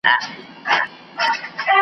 ډېر هوښیار وو په خپل عقل خامتماوو .